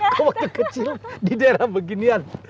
kau kekecil di daerah beginian